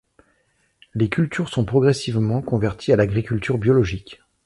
Les cultures sont progressivement converties à l'agriculture biologique.